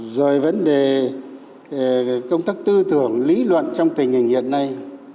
rồi vấn đề công tác tư tưởng lý luận trong tình hình hiện nay